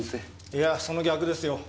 いやその逆ですよ。